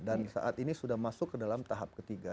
dan saat ini sudah masuk ke dalam tahap ketiga